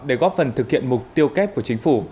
để góp phần thực hiện mục tiêu kép của chính phủ